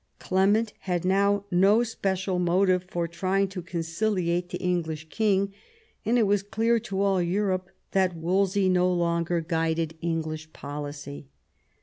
Clement had now no special motive for trying to conciliate the English king, and it was clear to all Europe that Wolsey no longer guided England's policy.